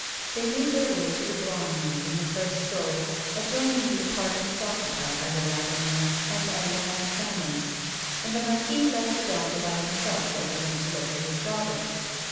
They made their way to the drawing room in the first story adjoining the apartments occupied by the Ravenel and Andermatt families, and the Marquis left the doctor by himself while he went to look for his daughter.